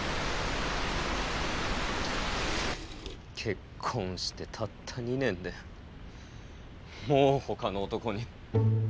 結婚してたった２年でもうほかの男に。